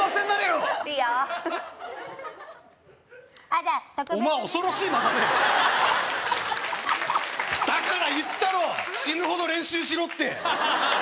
あっじゃあ特別にお前恐ろしい間だねだから言ったろ死ぬほど練習しろって！